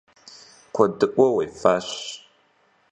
Kuedı'ue vuêfaş.